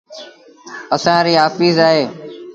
اسآݩ ريٚ آڦيٚس اهي۔